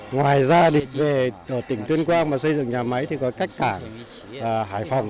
ngoài ra thì ở tỉnh tuyên quang mà xây dựng nhà máy thì có cách cảng hải phòng